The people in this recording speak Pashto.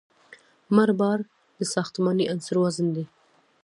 مړ بار د ساختماني عنصر وزن دی